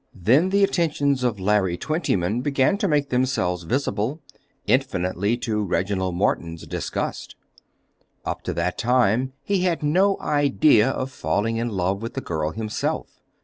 Then the attentions of Larry Twentyman began to make themselves visible, infinitely to Reginald Morton's disgust. Up to that time he had no idea of falling in love with the girl himself.